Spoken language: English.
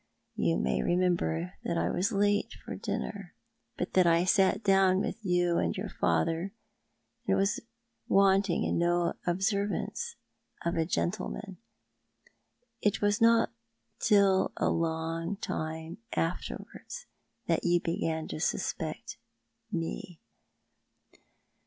You may remember that I was late for dinner, but that I sat down with you and your father, and was Avanting in no observance of a gentleman. It was not till a long time afterwards that you began to suspect me."